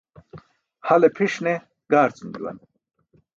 Hale pʰiṣ ne gaarcum juwan.